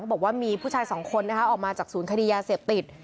บอกว่ามีผู้ชายสองคนนะคะออกมาจากศูนย์คดียาเสพติด